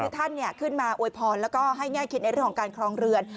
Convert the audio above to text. ท่านขึ้นมาอวยพรแล้วก็ให้แง่คิดในเรื่องของการครองเรือน